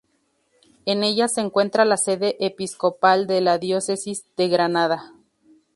En ella se encuentra la sede episcopal de la Diócesis de Granada.